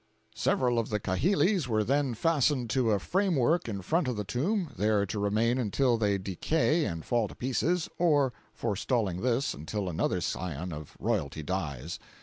Several of the kahilis were then fastened to a frame work in front of the tomb, there to remain until they decay and fall to pieces, or, forestalling this, until another scion of royalty dies.